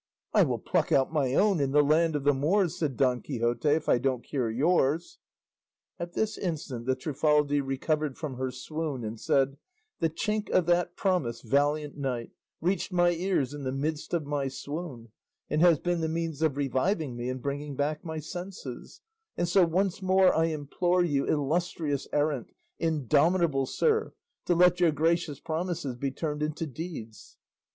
"I will pluck out my own in the land of the Moors," said Don Quixote, "if I don't cure yours." At this instant the Trifaldi recovered from her swoon and said, "The chink of that promise, valiant knight, reached my ears in the midst of my swoon, and has been the means of reviving me and bringing back my senses; and so once more I implore you, illustrious errant, indomitable sir, to let your gracious promises be turned into deeds."